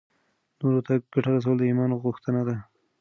نورو ته ګټه رسول د ایمان غوښتنه ده.